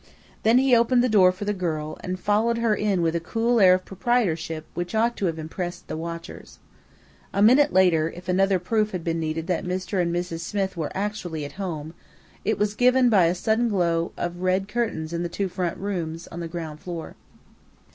Then he opened the door for the girl, and followed her in with a cool air of proprietorship which ought to have impressed the watchers. A minute later, if another proof had been needed that Mr. and Mrs. Smith were actually at home, it was given by a sudden glow of red curtains in the two front windows of the ground floor.